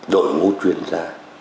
đội ngũ chuyên gia